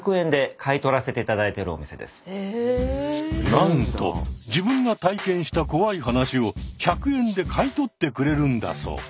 なんと自分が体験した怖い話を１００円で買い取ってくれるんだそう。